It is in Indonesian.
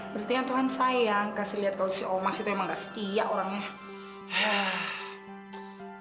berarti kan tuhan sayang kasih lihat kalau si omas itu emang gak setia orangnya